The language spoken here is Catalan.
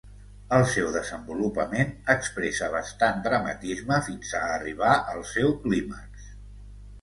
El seu desenvolupament expressa bastant dramatisme fins a arribar al seu clímax.